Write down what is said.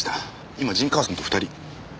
今陣川さんと２人。